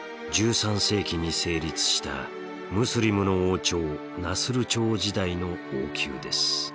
１３世紀に成立したムスリムの王朝ナスル朝時代の王宮です。